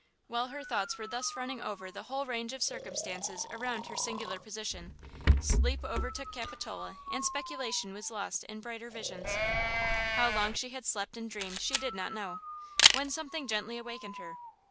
While her thoughts were thus running over the whole range of circumstances around her singular position, sleep overtook Capitola and speculation was lost in brighter visions. How long she had slept and dreamed she did not know, when something gently awakened her.